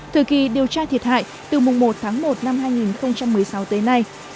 thời kỳ điều tra thiệt hại từ mùng một tháng một năm hai nghìn một mươi sáu tới nay